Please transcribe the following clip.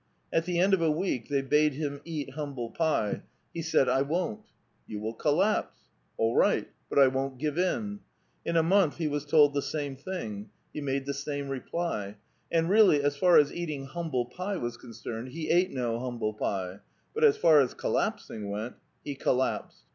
At the end of a week they bade him cat humble pie : he said, " I won't" ;*' You will collapse "; ''AW right, but I won't give in." In a month he was told the same thing; he made the same reply ; and really, as far as eating humble pie was con cerned, he ate no humble pie ; but as far as collapsing went — he collapsed